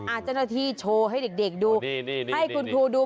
อาจารย์ที่โชว์ให้เด็กดูให้คุณผู้ดู